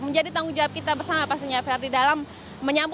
menjadi tanggung jawab kita bersama pastinya ferdi dalam